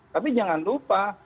tapi jangan lupa